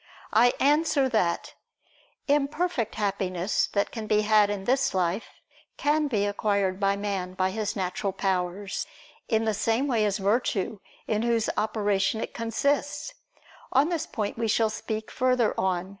I answer that, Imperfect happiness that can be had in this life, can be acquired by man by his natural powers, in the same way as virtue, in whose operation it consists: on this point we shall speak further on (Q.